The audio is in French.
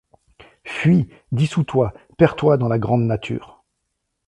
Fuis, dissous-toi, perds-toi dans la grande nature !